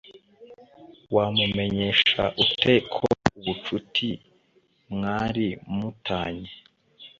wamumenyesha ute ko ubucuti mwari mu tanye